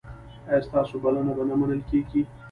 ایا ستاسو بلنه به نه منل کیږي؟